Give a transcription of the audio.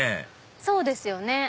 そうですよね。